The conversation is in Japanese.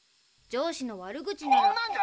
上司の悪口なら。